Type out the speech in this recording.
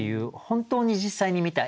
本当に実際に見た。